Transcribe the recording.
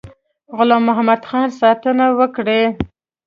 غلام محمدخان ساتنه وکړي.